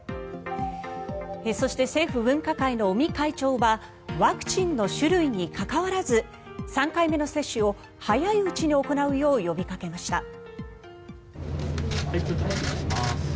そして政府分科会の尾身会長はワクチンの種類に関わらず３回目の接種を早いうちに行うよう呼びかけました。